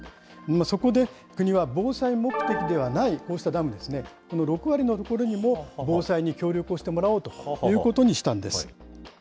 そこで、国は防災目的ではないこうしたダム、この６割のところにも、防災に協力をしてもらおうということにしたんです。